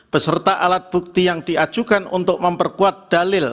beserta alat bukti yang diajukan untuk memperkuat dalil